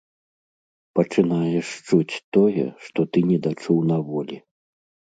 Пачынаеш чуць тое, што ты недачуў на волі.